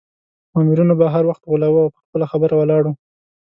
مامورینو به هر وخت غولاوه او پر خپله خبره ولاړ وو.